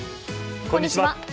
こんにちは。